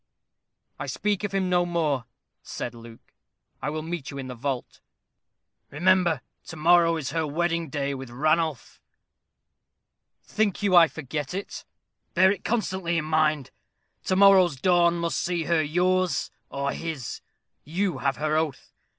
"I speak of him no more," said Luke. "I will meet you in the vault." "Remember, to morrow is her wedding day with Ranulph." "Think you I forget it?" "Bear it constantly in mind. To morrow's dawn must see her yours or his. You have her oath.